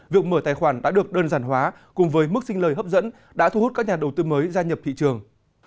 việc mở tài khoản đã được đơn giản hóa cùng với mức sinh lời hấp dẫn đã thu hút các nhà đầu tư mới gia nhập thị trường